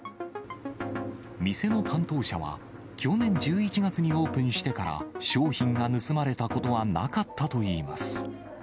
店の担当者は、去年１１月にオープンしてから、商品が盗まれたことはなかったといいます。